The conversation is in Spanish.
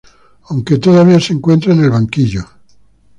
Aunque todavía se encuentra en el banquillo.